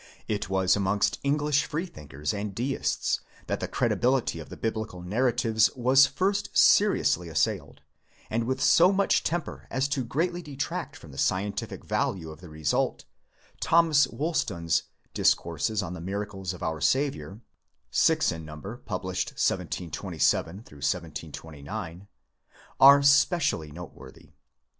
It was amongst English Free thinkers and Deists that the credibility of the Biblical narratives was first seriously assailed, and with so much tem per as to greatly detract from the scientific value of the result, Thomas Woolston's Dzscourses on the Miracles of our Saviour (six in number, 1727 1729) ere vill INTRODUCTION. are specially noteworthy.